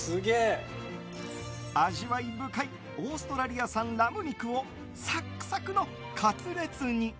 味わい深いオーストラリア産ラム肉をサクサクのカツレツに。